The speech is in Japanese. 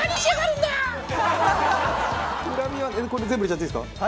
全部入れちゃっていいんですか？